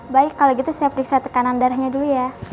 baik kalau gitu saya periksa tekanan darahnya dulu ya